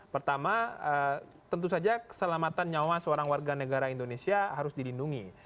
pertama tentu saja keselamatan nyawa seorang warga negara indonesia harus dilindungi